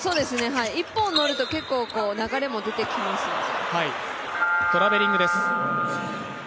１本乗ると、結構流れも出てきますので。